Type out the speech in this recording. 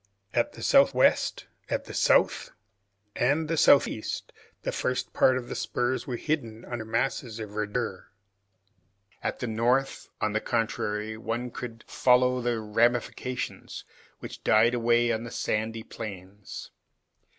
At the southwest, at the south, and the southeast, the first part of the spurs were hidden under masses of verdure. At the north, on the contrary, one could follow their ramifications, which died away on the sandy plains.